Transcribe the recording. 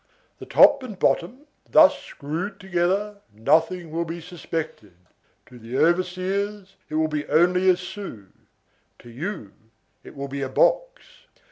The top and bottom thus screwed together, nothing will be suspected. To the overseers it will be only a sou; to you it will be a box.